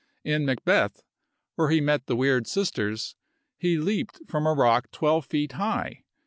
In "Macbeth," where he met the weird sisters, he leaped from a rock twelve feet high.